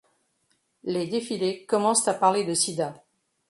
Les défilés commencent à parler de sida.